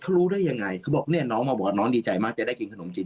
เขารู้ได้ยังไงน้องดีใจมากจะได้กินขนมจีน